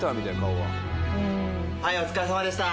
はいお疲れさまでした。